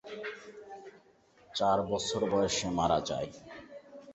চার বছর বয়সে মারা যায়।